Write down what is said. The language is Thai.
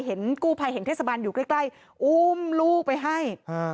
เห็นกู้ภัยเห็นเทศบาลอยู่ใกล้อุ้มลูกไปให้